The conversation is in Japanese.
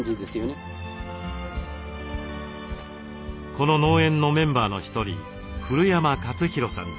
この農園のメンバーの一人古山勝博さんです。